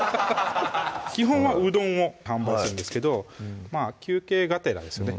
基本はうどんを販売してるんですけどまぁ休憩がてらですよね